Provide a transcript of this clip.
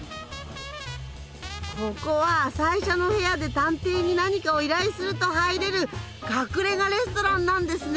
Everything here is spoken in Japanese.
ここは最初の部屋で探偵に何かを依頼すると入れる隠れ家レストランなんですね。